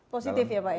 positif ya pak ya